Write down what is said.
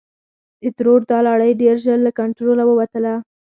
د ترور دا لړۍ ډېر ژر له کنټروله ووتله.